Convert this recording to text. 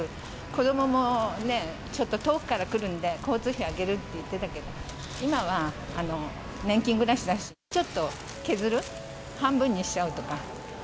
子どももちょっと遠くから来るんで、交通費あげるって言ってたけど、今は年金暮らしだし、ちょっと削る、半分にしちゃうとか。